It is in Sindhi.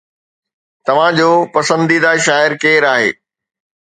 توهان جو پسنديده شاعر ڪير آهي؟